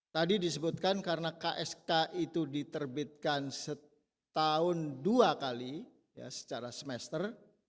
tadi disebutkan karena ksk itu diterbitkan setahun dua kali secara semester